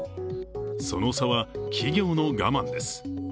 その差は企業の我慢です。